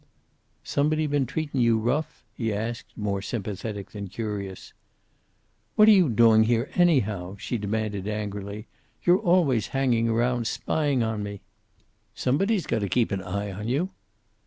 "Somebody been treatin' you rough?" he asked, more sympathetic than curious. "What are you doing here, anyhow?" she demanded, angrily. "You're always hanging around, spying on me." "Somebody's got to keep an eye on you."